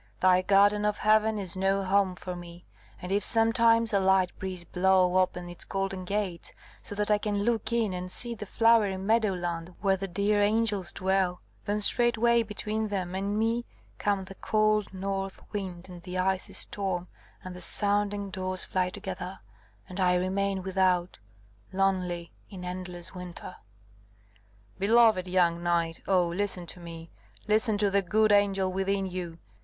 thy garden of heaven is no home for me; and if sometimes a light breeze blow open its golden gates, so that I can look in and see the flowery meadow land where the dear angels dwell, then straightway between them and me come the cold north wind and the icy storm, and the sounding doors fly together, and I remain without, lonely, in endless winter." "Beloved young knight, oh, listen to me listen to the good angel within you!